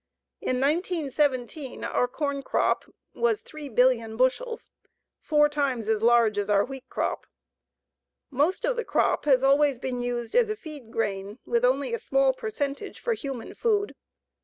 In 1917 our corn crop was 3,000,000,000 bushels, four times as large as our wheat crop. Most of the crop has always been used as a feed grain, with only a small percentage for human food.